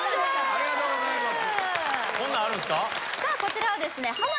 ありがとうございます